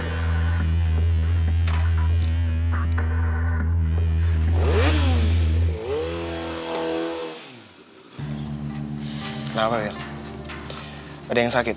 kenapa ada yang sakit